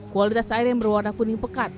kualitas air yang berwarna kuning pekat